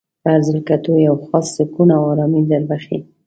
په هر ځل کتو یو خاص سکون او ارامي در بخښي.